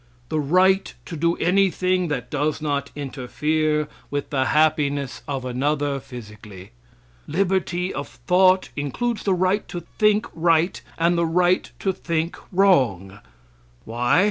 The right to do anything that does not interfere with the happiness of another, physically. Liberty of thought includes the right to think right and the right to think wrong. Why?